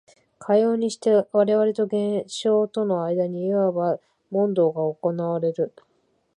かようにして我々と現象との間にいわば問答が行われる。